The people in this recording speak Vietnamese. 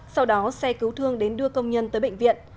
sau đó xe cứu thương đến đưa công nhân tới bệnh viện